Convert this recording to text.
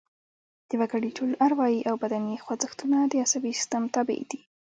د وګړي ټول اروايي او بدني خوځښتونه د عصبي سیستم تابع دي